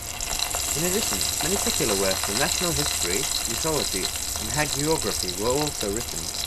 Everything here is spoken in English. In addition, many secular works of national history, mythology, and hagiography were also written.